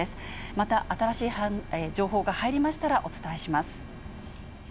また新しい情報が入りましたらお伝えします。